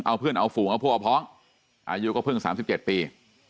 เอาเพื่อนเอาฝูงเอาพวกเอาพร้องอายุก็เพิ่งสามสิบเจ็ดปี